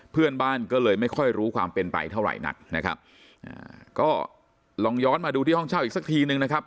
เพื่อนบ้านก็เลยไม่ค่อยรู้ความเป็นไปเท่าไหร่นักนะครับอ่าก็ลองย้อนมาดูที่ห้องเช่าอีกสักทีนึงนะครับ